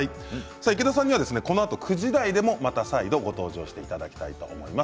池田さんにはこのあと９時台でも再度、ご登場していただきます。